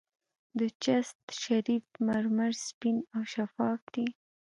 د چشت شریف مرمر سپین او شفاف دي.